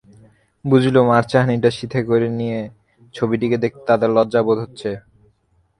বুঝলুম আড়-চাহনিটাকে সিধে করে নিয়ে ছবিটিকে দেখতে দাদার লজ্জা বোধ হচ্ছে।